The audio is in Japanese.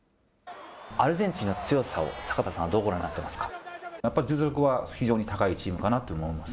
アルゼンチンの強さを坂田さんはどうご覧になっていますか？